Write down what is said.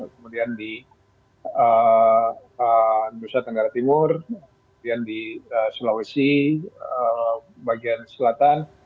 kemudian di nusa tenggara timur kemudian di sulawesi bagian selatan